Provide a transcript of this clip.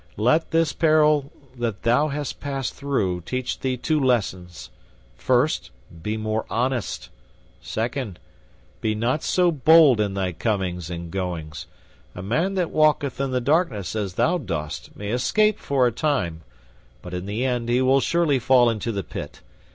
Let this peril that thou hast passed through teach thee two lessons. First, be more honest. Second, be not so bold in thy comings and goings. A man that walketh in the darkness as thou dost may escape for a time, but in the end he will surely fall into the pit.